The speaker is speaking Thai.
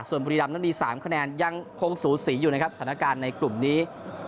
ส่วนบุรีรำนั้นมี๓คะแนนยังคงสูสีอยู่นะครับสถานการณ์ในกลุ่มนี้